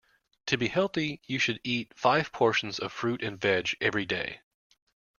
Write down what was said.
To be healthy you should eat five portions of fruit and veg every day